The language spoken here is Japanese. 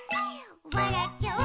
「わらっちゃう」